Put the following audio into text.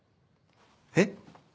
えっ？